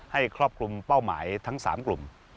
ครอบคลุมเป้าหมายทั้ง๓กลุ่ม